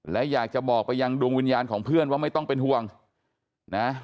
และอยากจะบอกไปยังดวงวิญญาณของเพื่อนว่าไม่ต้องเป็นห่วงนะ